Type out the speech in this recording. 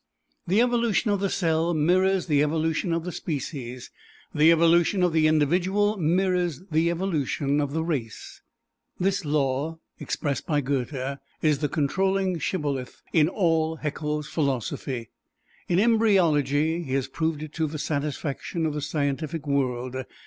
The evolution of the cell mirrors the evolution of the species: the evolution of the individual mirrors the evolution of the race. This law, expressed by Goethe, is the controlling shibboleth in all Haeckel's philosophy. In embryology he has proved it to the satisfaction of the scientific world.